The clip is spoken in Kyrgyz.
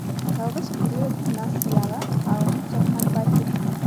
Жалгыз күрөө — бул насыяга алынып жаткан батир.